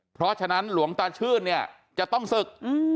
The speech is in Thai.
เพราะฉะนั้นหลวงตาชื่นเนี่ยจะต้องศึก